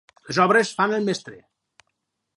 Les obres fan el mestre.